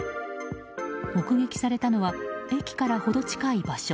目撃されたのは駅から程近い場所。